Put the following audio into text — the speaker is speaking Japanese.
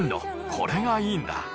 これがいいんだ。